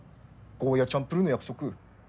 ゴーヤーチャンプルーの約束。